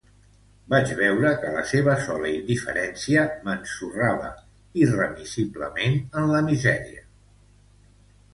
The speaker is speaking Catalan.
Vaig veure que la seva sola indiferència m'ensorrava irremissiblement en la misèria.